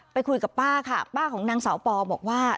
ไปคุยกับป้าค่ะป้าของนางสาวปอบอกว่า